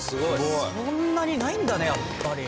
そんなにないんだねやっぱり。